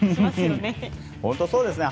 本当にそうですね。